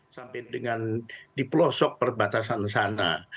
sampai dengan di pelosok perbatasan sana